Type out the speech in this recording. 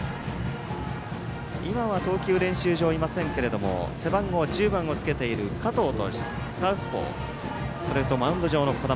今は投球練習場いませんけれども背番号１０をつけている加藤、サウスポーそれとマウンド上の小玉